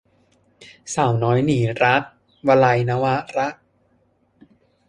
สาวน้อยหนีรัก - วลัย นวาระ